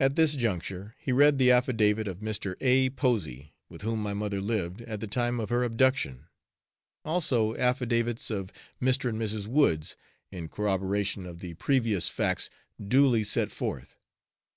At this juncture he read the affidavit of Mr. A. Posey, with whom my mother lived at the time of her abduction; also affidavits of Mr. and Mrs. Woods, in corroboration of the previous facts duly set forth.